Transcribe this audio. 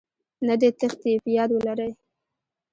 نه دې تېښتې.په ياد ولرئ